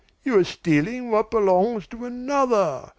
You are stealing what belongs to another!